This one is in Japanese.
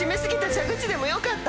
蛇口でもよかった。